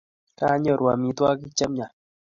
kanyoru amitwokig nemie